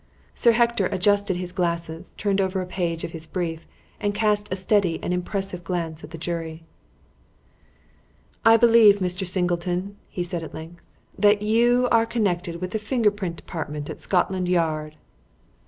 Sir Hector adjusted his glasses, turned over a page of his brief, and cast a steady and impressive glance at the jury. "I believe, Mr. Singleton," he said at length, "that you are connected with the Finger print Department at Scotland Yard?"